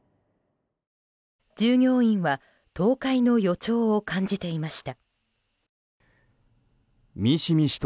従業員は倒壊の予兆を感じていました。